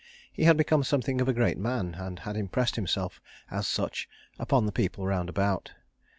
He had become something of a great man, and had impressed himself as such upon the people round about.